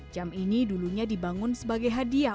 jam ini dulunya dibangun sebagai hadiah